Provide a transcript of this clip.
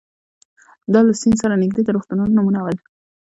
دا له سیند سره نږدې د روغتونونو نومونه ول.